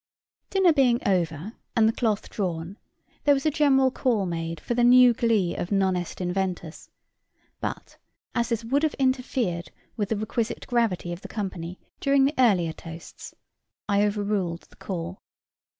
Dinner being over, and the cloth drawn, there was a general call made for the new glee of Non est inventus; but, as this would have interfered with the requisite gravity of the company during the earlier toasts, I overruled the call.